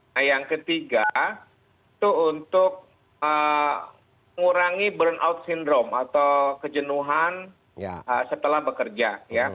nah yang ketiga itu untuk mengurangi burnout syndrome atau kejenuhan setelah bekerja